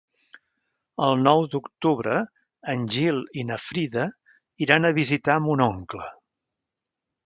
El nou d'octubre en Gil i na Frida iran a visitar mon oncle.